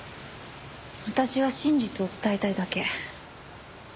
私は真実を伝えたいだけ。